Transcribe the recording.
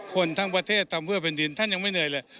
คนทั้งประเทศทำเพื่อแผ่นดินท่านยังไม่เหนื่อยเลย